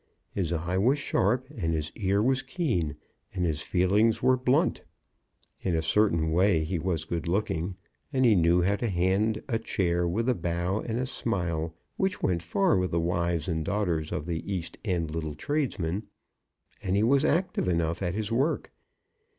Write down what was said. His eye was sharp, and his ear was keen, and his feelings were blunt. In a certain way, he was good looking, and he knew how to hand a chair with a bow and smile, which went far with the wives and daughters of the East End little tradesmen, and he was active enough at his work.